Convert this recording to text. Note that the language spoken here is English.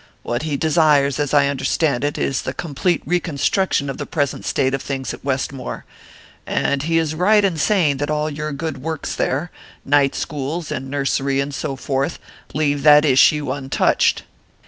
What he desires, as I understand it, is the complete reconstruction of the present state of things at Westmore; and he is right in saying that all your good works there night schools, and nursery, and so forth leave that issue untouched."